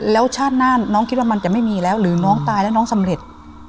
แล้วชาติหน้าน้องคิดว่ามันจะไม่มีแล้วหรือน้องตายแล้วน้องสำเร็จ